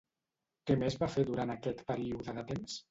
Què més va fer durant aquest període de temps?